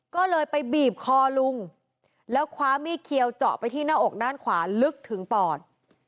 ก็เลยไปบีบคอลุงแล้วคว้ามีดเคียวเจาะไปที่หน้าอกด้านขวาลึกถึงปอด